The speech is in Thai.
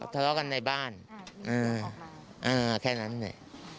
ทะเลาะกันในบ้านแค่นั้นเนี่ย